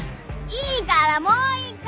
いいからもう１回！